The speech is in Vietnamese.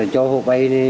cho họ vay